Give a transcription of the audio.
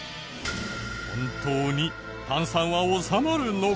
本当に炭酸はおさまるのか？